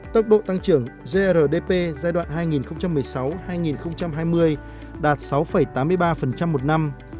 tốc độ tăng trưởng grdp giai đoạn hai nghìn một mươi sáu hai nghìn hai mươi đạt sáu tám mươi ba một năm